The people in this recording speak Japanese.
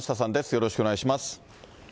よろしくお願いします。